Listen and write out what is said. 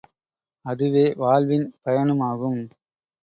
அதுவே வாழ்வின் பயனுமாகும்.